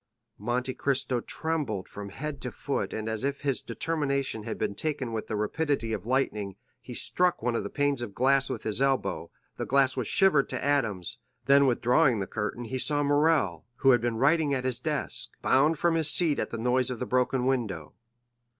Monte Cristo trembled from head to foot and as if his determination had been taken with the rapidity of lightning, he struck one of the panes of glass with his elbow; the glass was shivered to atoms, then withdrawing the curtain he saw Morrel, who had been writing at his desk, bound from his seat at the noise of the broken window.